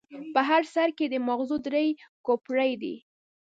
په هر سر کې یې د ماغزو درې کوپړۍ دي.